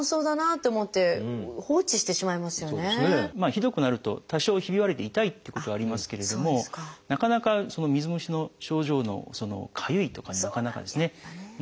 ひどくなると多少ひび割れて痛いっていうことはありますけれどもなかなか水虫の症状の「かゆい」とかになかなかならないんですね。